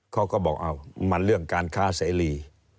เขาก็บอกมันเรื่องการค้าเสรี